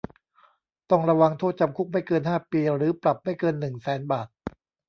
ต้องระวางโทษจำคุกไม่เกินห้าปี หรือปรับไม่เกินหนึ่งแสนบาท